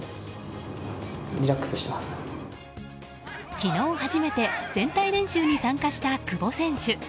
昨日初めて全体練習に参加した久保選手。